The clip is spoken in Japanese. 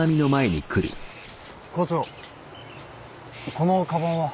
このかばんは。